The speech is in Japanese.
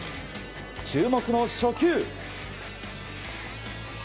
注目の初球。